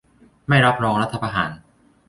ไม่รับรองรัฐประหาร